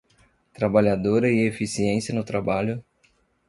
Trabalhadora e eficiência no trabalho